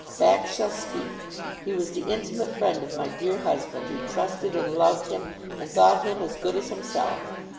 Facts shall speak. He was the intimate friend of my dear husband, who trusted and loved him, and thought him as good as himself.